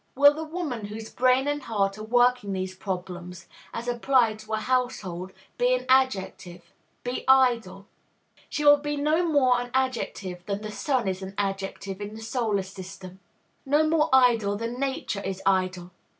Will the woman whose brain and heart are working these problems, as applied to a household, be an adjective? be idle? She will be no more an adjective than the sun is an adjective in the solar system; no more idle than Nature is idle.